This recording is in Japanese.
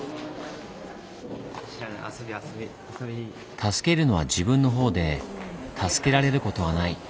「助けるのは自分の方で助けられることはない」。